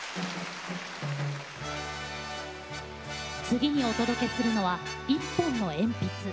次にお届けするのは「一本の鉛筆」。